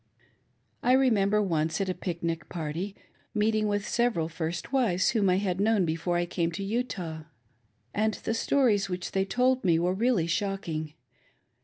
1 retnembei once, at a pic nic party, meeting With several first wives whom I had known before I came to Utah, and the Stories which they told me were really shocking.